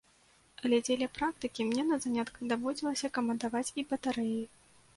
Але дзеля практыкі мне на занятках даводзілася камандаваць і батарэяй.